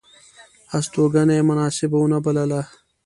هستوګنه یې مناسبه ونه بلله.